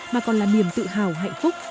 mà còn là niềm tự hào hạnh phúc